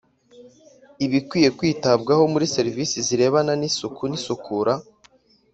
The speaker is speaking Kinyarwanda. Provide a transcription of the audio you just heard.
Ibikwiye kwitabwaho muri serivisi zirebana n’ isuku n’ isukura